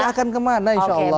akan kemana insya allah